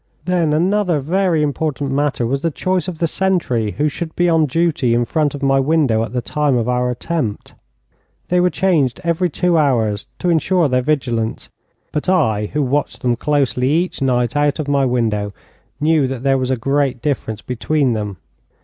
Then another very important matter was the choice of the sentry who should be on duty in front of my window at the time of our attempt. They were changed every two hours to insure their vigilance, but I, who watched them closely each night out of my window, knew that there was a great difference between them.